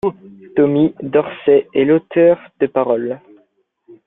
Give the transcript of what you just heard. Tommy Dorsey est l'auteur des paroles.